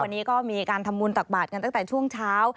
วันนี้ก็มีการทำบุญตักบาทกันตั้งแต่ช่วงเช้า